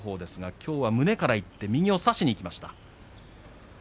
きょうは胸からいって差しにきました。